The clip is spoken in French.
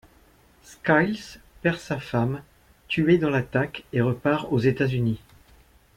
Skiles perd sa femme, tuée dans l'attaque, et repart aux États-Unis.